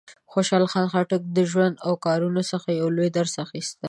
د خوشحال خان خټک د ژوند او کارونو څخه یو لوی درس اخیستل کېږي.